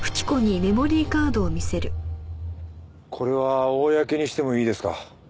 これは公にしてもいいですか？